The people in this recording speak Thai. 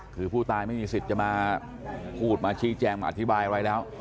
คือผู้ตายไม่มีสิทธิ์จะมาพูดมาชี้แจงมาอธิบายอะไรแล้ว